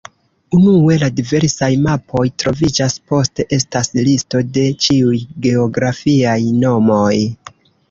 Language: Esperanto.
Unue la diversaj mapoj troviĝas, poste estas listo de ĉiuj geografiaj nomoj.